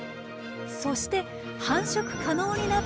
そして繁殖可能になったころ